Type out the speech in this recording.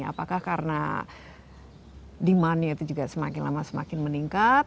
apakah karena demandnya itu juga semakin lama semakin meningkat